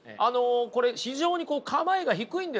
これ非常に構えが低いんですよね。